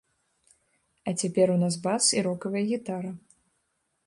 А цяпер у нас бас і рокавая гітара.